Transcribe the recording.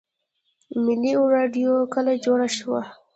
ملي راډیو کله جوړه شوه؟